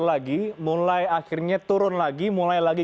lagi mulai akhirnya turun lagi mulai lagi